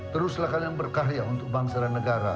teruslah kalian berkah ya untuk bangsa dan negara